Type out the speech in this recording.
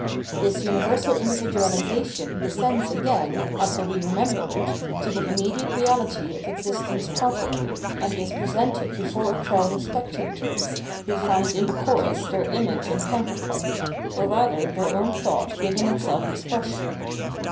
This universal individualisation descends again, as will be remembered, to the immediate reahty of existence proper, and is presented before a crowd of spectators, who find in the chorus their image and counterpart, or rather their own thought giving itself expression.